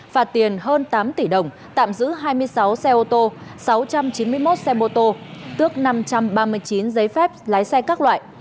phạt tiền hơn tám tỷ đồng tạm giữ hai mươi sáu xe ô tô sáu trăm chín mươi một xe mô tô tước năm trăm ba mươi chín giấy phép lái xe các loại